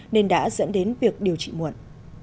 nên đã dẫn đến việc điều trị muộn